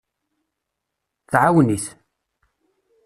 Tɛawen-it.